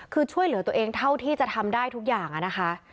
คือช่วยเหลือตัวเองเท่าที่จะทำได้ทุกอย่างนะคะ